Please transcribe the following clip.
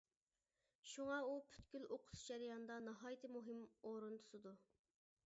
شۇڭا، ئۇ پۈتكۈل ئوقۇتۇش جەريانىدا ناھايىتى مۇھىم ئورۇن تۇتىدۇ.